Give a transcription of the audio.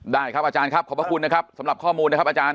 ได้ครับอาจารย์ครับขอบพระคุณนะครับสำหรับข้อมูลนะครับอาจารย